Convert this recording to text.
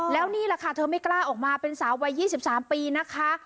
แล้วนี่แหละค่ะเธอไม่กล้าออกมาเป็นสาววัย๒๓ปีนะคะ